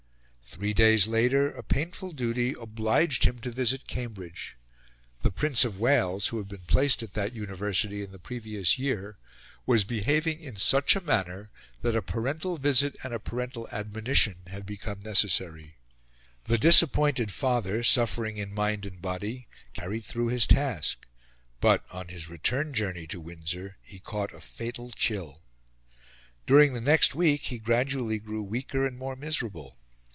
Three days later a painful duty obliged him to visit Cambridge. The Prince of Wales, who had been placed at that University in the previous year, was behaving in such a manner that a parental visit and a parental admonition had become necessary. The disappointed father, suffering in mind and body, carried through his task; but, on his return journey to Windsor, he caught a fatal chill. During the next week he gradually grew weaker and more miserable.